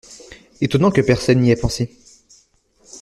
Étonnant que personne n’y ait pensé.